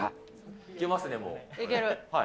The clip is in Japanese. いけますね、もう。